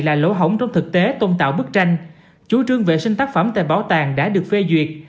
là lỗ hổng trong thực tế tôn tạo bức tranh chủ trương vệ sinh tác phẩm tại bảo tàng đã được phê duyệt